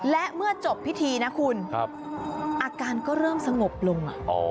และเมื่อจบพิธีนะคุณอาการก็เริ่มสงบลง